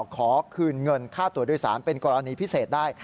ขอคืนเงินค่าตัวโดยสารเป็นกรณีพิเศษได้